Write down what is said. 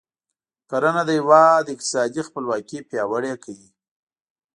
کرنه د هیواد اقتصادي خپلواکي پیاوړې کوي.